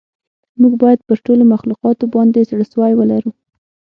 موږ باید پر ټولو مخلوقاتو باندې زړه سوی ولرو.